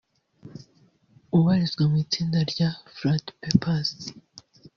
ubarizwa mu itsinda rya Flat Papers